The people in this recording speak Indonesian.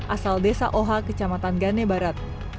asal desa ohha kecamatan gane barat